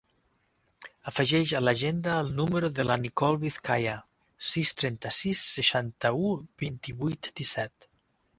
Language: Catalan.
Afegeix a l'agenda el número de la Nicole Vizcaya: sis, trenta-sis, seixanta-u, vint-i-vuit, disset.